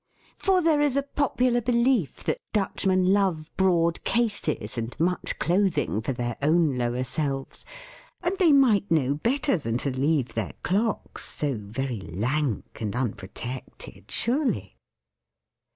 For there is a popular belief that Dutchmen love broad cases and much clothing for their own lower selves; and they might know better than to leave their clocks so very lank and unprotected, surely.